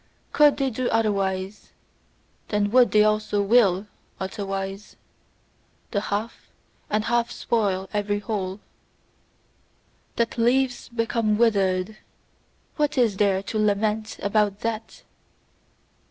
COULD they do otherwise, then would they also WILL otherwise. The half and half spoil every whole. That leaves become withered, what is there to lament about that!